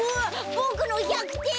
ボクの１００てん。